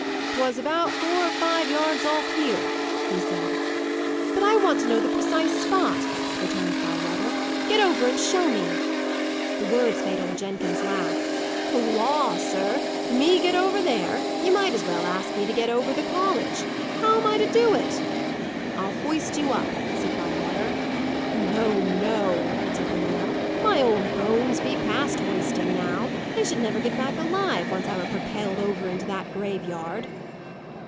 "'Twas about four or five yards off here," said he. "But I want to know the precise spot," returned Bywater. "Get over, and show me!" The words made old Jenkins laugh. "Law, sir! me get over there! You might as well ask me to get over the college. How am I to do it?" "I'll hoist you up," said Bywater. "No, no," answered the man. "My old bones be past hoisting now. I should never get back alive, once I were propelled over into that graveyard."